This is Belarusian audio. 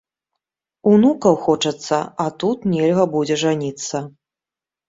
Унукаў хочацца, а тут нельга будзе жаніцца.